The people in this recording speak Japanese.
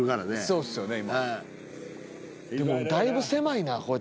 そうっすよね